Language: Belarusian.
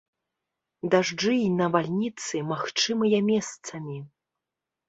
Дажджы і навальніцы магчымыя месцамі.